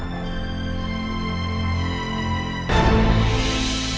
tidak ada ialah